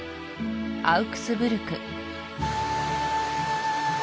アウクスブルク